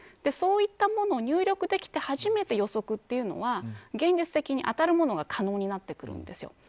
そういったものを入力できて初めて予測は、現実的に当たることが可能になってくるんです。